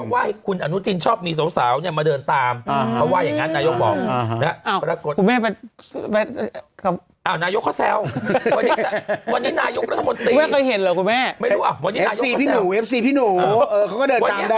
วันนี้นายกเขาเซ้ว